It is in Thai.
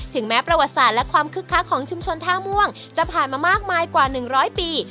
แม้ประวัติศาสตร์และความคึกคักของชุมชนท่าม่วงจะผ่านมามากมายกว่า๑๐๐ปี